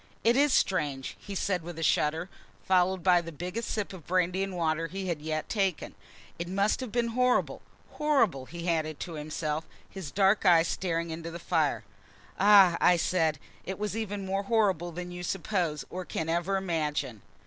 "It is strange," he said, with a shudder, followed by the biggest sip of brandy and water he had taken yet. "It must have been horrible horrible!" he added to himself, his dark eyes staring into the fire. "Ah!" said I, "it was even more horrible than you suppose or can ever imagine."